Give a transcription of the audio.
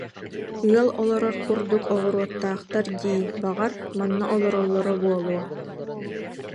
Ыал олорор курдук оҕуруоттаахтар дии, баҕар, манна олороллоро буолуо